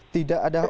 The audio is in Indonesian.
tidak ada orang